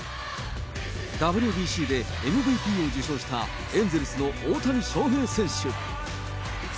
ＷＢＣでＭＶＰを受賞したエンゼルスの大谷翔平選手。